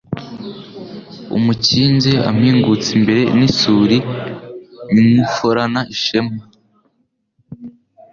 Umukinzi ampingutse imbere n'isuli nywuforana ishema